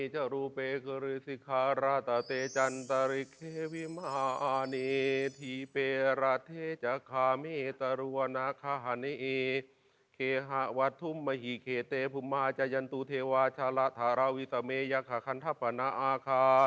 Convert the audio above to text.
อย่างตรวจเทวาชะละทรวิสมใยค่ะขันถะปน้าค่ะ